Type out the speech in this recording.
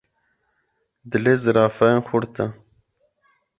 Dilê zirafayan xurt e.